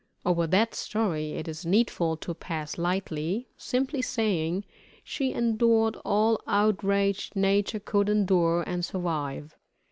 Over that story, it is needful to pass lightly, simply saying, she endured all outraged nature could endure and survive.